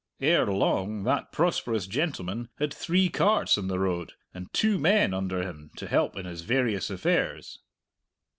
Ere long that prosperous gentleman had three carts on the road, and two men under him to help in his various affairs.